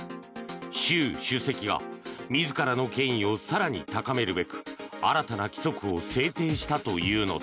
習主席が自らの権威を更に高めるべく新たな規則を制定したというのだ。